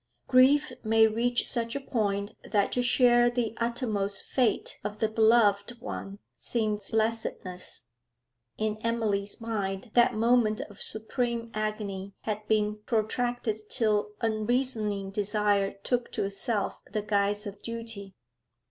Grief may reach such a point that to share the uttermost fate of the beloved one seems blessedness; in Emily's mind that moment of supreme agony had been protracted till unreasoning desire took to itself the guise of duty.